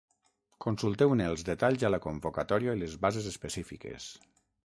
Consulteu-ne els detalls a la convocatòria i les bases específiques.